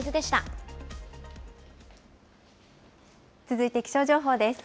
続いて気象情報です。